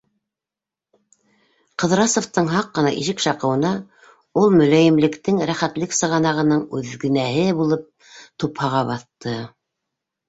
Ҡыҙрасовтың һаҡ ҡына ишек шаҡыуына ул мөләйемлектең, рәхәтлек сығанағының үҙгенәһе булып тупһаға баҫты...